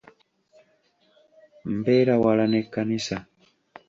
Mbeera wala n'ekkanisa.